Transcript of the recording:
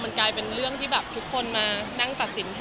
มันกลายเป็นเรื่องที่แบบทุกคนมานั่งตัดสินแทน